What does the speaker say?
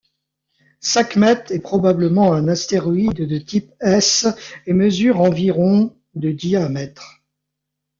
Sekhmet est probablement un astéroïde de type S et mesure environ de diamètre.